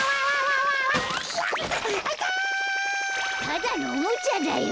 ただのおもちゃだよ。